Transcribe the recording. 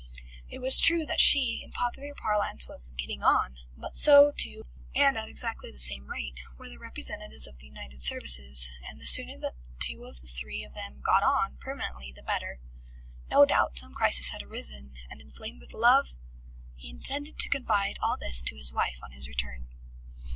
It was true that she, in popular parlance, was "getting on", but so, too, and at exactly the same rate, were the representatives of the United Services, and the sooner that two out of the three of them "got on" permanently, the better. No doubt some crisis had arisen, and inflamed with love. ... He intended to confide all this to his wife on his return.